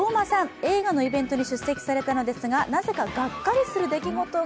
映画のイベントに登場されたのですがなぜか、がっかりする出来事が。